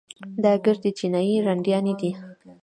دا ګردې چينايي رنډيانې دي.